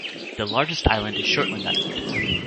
The largest island is Shortland Island.